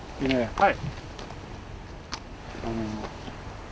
はい。